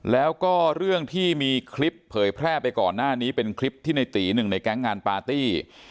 แล้วก็เรื่องที่มีคลิปเผยแพร่ไปก่อนหน้านี้เป็นคลิปที่ในตีหนึ่งในแก๊งงานปาร์ตี้